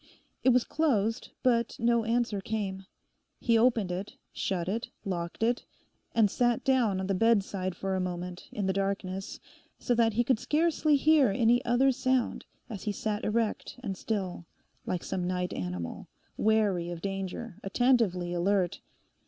It was closed, but no answer came. He opened it, shut it, locked it, and sat down on the bedside for a moment, in the darkness, so that he could scarcely hear any other sound, as he sat erect and still, like some night animal, wary of danger, attentively alert.